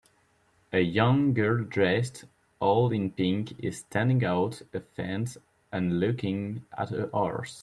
A young girl dressed all in pink is standing on a fence and looking at a horse.